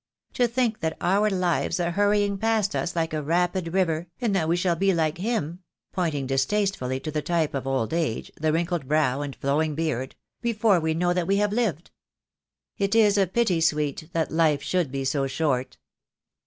To think that our lives are hurrying past us like 46 THE DAY WILL COME. a rapid river, and that we shall be like him" (pointing distastefully to the type of old age — the wrinkled brow and flowing beard) "before we know that we have lived." "It is a pity, sweet, that life should be so short."